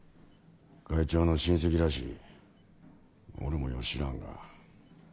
会長の親戚らしい俺もよう知らんが。